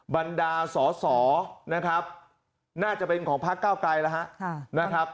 บรรดาสอสอนะครับน่าจะเป็นของพักเก้าไกลแล้วฮะนะครับ